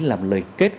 làm lời kết